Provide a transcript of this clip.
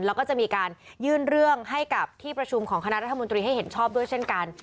แล้วก็จะมีการยื่นเรื่องให้กับที่ประชุมของคณะรัฐมนตรีให้เห็นชอบด้วยเช่นกัน